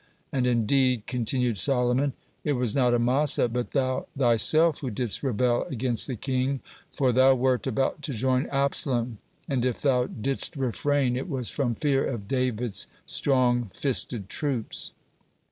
And, indeed," continued Solomon, "it was not Amasa but thou thyself who didst rebel against the king, for thou wert about to join Absalom, and if thou didst refrain, it was from fear of David's strong fisted troops."